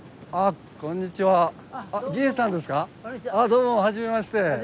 どうもはじめまして。